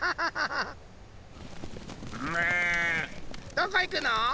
どこいくの？